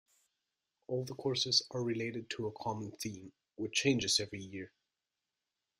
All the courses are related to a common theme, which changes every year.